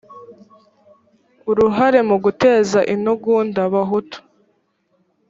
uruhare mu guteza intugunda bahutu